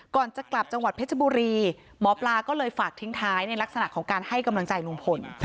ก่อนจะกลับจังหวัดเพชรบุรีหมอปลาก็เลยฝากทิ้งท้ายในลักษณะของการให้กำลังใจลุงพล